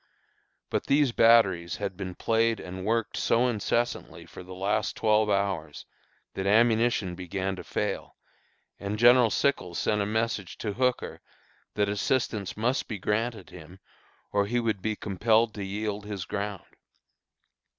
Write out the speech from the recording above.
But these batteries had been played and worked so incessantly for the last twelve hours, that ammunition began to fail, and General Sickles sent a message to Hooker that assistance must be granted him, or he would be compelled to yield his ground.